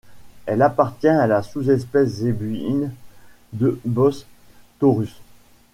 Elle appartient à la sous-espèce zébuine de Bos taurus.